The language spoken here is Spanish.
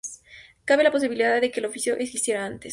Cabe la posibilidad de que el oficio existiera antes.